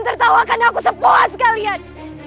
tertawakannya aku sepuas kalian